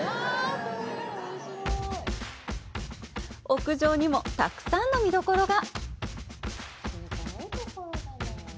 屋上にもたくさんの見どころが！